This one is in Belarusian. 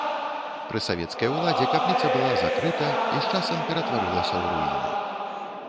Пры савецкай уладзе капліца была закрыта і з часам ператварылася ў руіны.